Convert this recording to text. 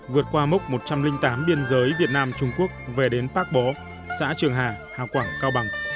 vượt qua mốc một trăm linh tám biên giới việt nam trung quốc về đến bác bó xã trường hà hà quảng cao bằng